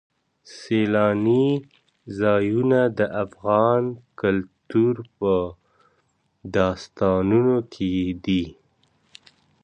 سیلاني ځایونه د افغان کلتور په داستانونو کې دي.